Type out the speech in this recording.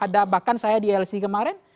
ada bahkan saya di lc kemarin